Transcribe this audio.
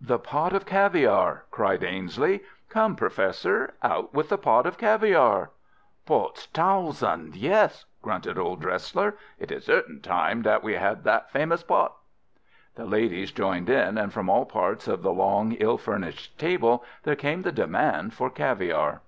"The pot of caviare!" cried Ainslie. "Come, Professor, out with the pot of caviare!" "Potz tausend! yes," grunted old Dresler. "It is certainly time that we had that famous pot." The ladies joined in, and from all parts of the long, ill furnished table there came the demand for caviare.